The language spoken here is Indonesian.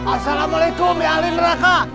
assalamualaikum ya ahli neraka